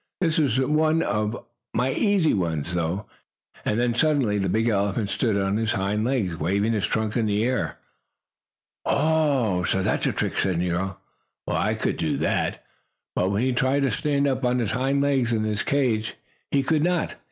This is only one of my easy ones, though," and then suddenly the big elephant stood on his hind legs, waving his trunk in the air. "Oh, so that's a trick," said Nero. "Well, I could do that." But when he tried to stand up on his hind legs in his cage he could not.